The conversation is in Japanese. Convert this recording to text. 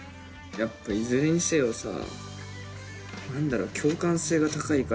やっぱいずれにせよさ何だろう歌を書くよね